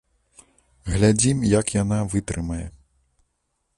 Глядзім, як яна вытрымае.